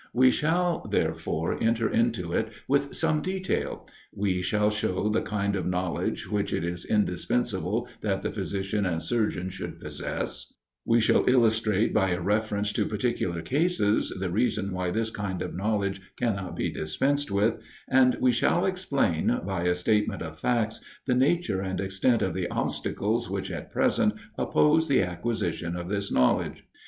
We shall, therefore, enter into it with some detail: we shall show the kind of knowledge which it is indispensable that the physician and surgeon should possess; we shall illustrate, by a reference to particular cases, the reason why this kind of knowledge cannot be dispensed with: and we shall explain, by a statement of facts, the nature and extent of the obstacles which at present oppose the acquisition of this knowledge.